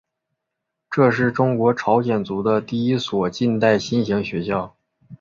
这是中国朝鲜族的第一所近代新型学校。